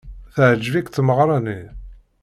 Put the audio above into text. Teɛjeb-ik tmeɣra-nni?